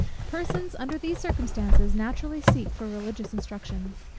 _ Persons under these circumstances naturally seek for religious instruction.